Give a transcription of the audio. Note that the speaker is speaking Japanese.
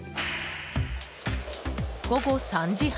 午後３時半